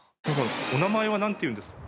お名前はなんていうんですか？